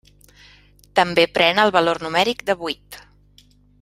També pren el valor numèric de vuit.